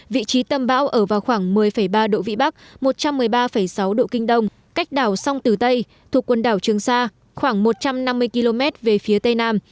vị trí tâm bão ở vào khoảng một mươi ba độ vĩ bắc một trăm một mươi ba sáu độ kinh đông cách đảo sông tử tây thuộc quần đảo trường sa khoảng một trăm năm mươi km về phía tây nam